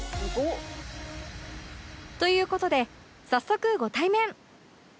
という事で早速ご対面